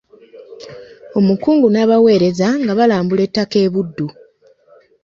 Omukungu n'abaweereza nga balambula ettaka e Buddu.